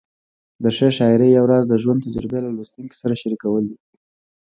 د ښې شاعرۍ یو راز د ژوند تجربې له لوستونکي سره شریکول دي.